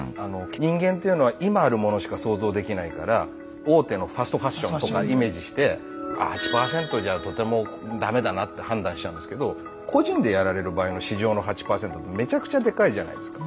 人間っていうのは今あるものしか想像できないから大手のファストファッションとかイメージして８％じゃとても駄目だなって判断しちゃうんですけど個人でやられる場合の市場の８％ってめちゃくちゃでかいじゃないですか。